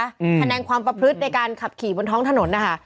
คะแนนความประพฤติในการขับขี่บนท้องถนนนะคะ